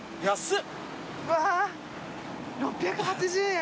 ６８０円